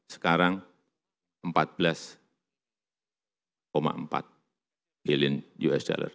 sekarang empat belas empat billion us dollar